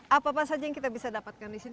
apa apa saja yang kita bisa dapatkan di sini